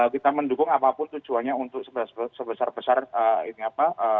kita mendukung apapun tujuannya untuk sebesar besar ini apa